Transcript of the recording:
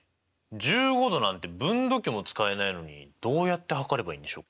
１５°なんて分度器も使えないのにどうやって測ればいいんでしょう？